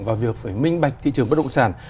vào việc phải minh bạch thị trường bất động sản